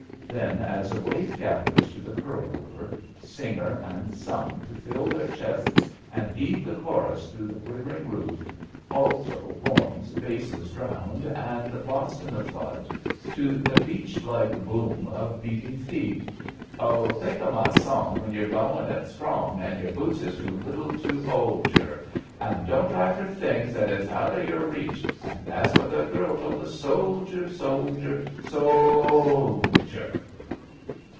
Then, as a wave gathers to the curl over, singer and sung to fill their chests and heave the chorus through the quivering roof — alto, horns, basses drowned, and lost in the flood — ^to the beach like boom of beat ing feet: €€ Oh, think o' my song when you're gowin' it strong An' your boots is too little to 'old jrer; 272 ABAFT THE FUNNEL An' don't try for things that is out of your reachy An' that's what the girl told the soldier, soldier, so holdier!